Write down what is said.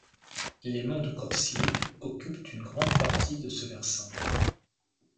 Les Monts-de-Corsier occupent une grande partie de ce versant.